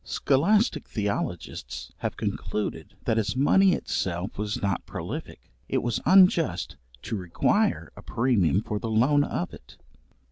Scholastic theologists have concluded, that as money itself was not prolific, it was unjust to require a premium for the loan of it.